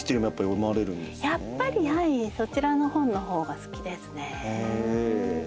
やっぱりそちらの本の方が好きですね。